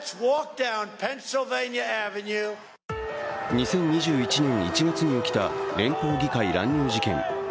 ２０２１年１月に起きた連邦議会乱入事件。